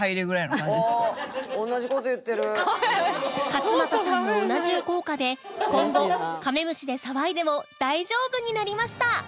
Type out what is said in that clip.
勝俣さんのうな重効果で今後カメムシで騒いでも大丈夫になりました！